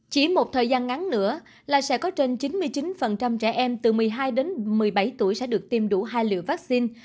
chỉ một thời gian ngắn nữa là sẽ có trên chín mươi chín trẻ em từ một mươi hai đến một mươi bảy tuổi sẽ được tiêm đủ hai liều vaccine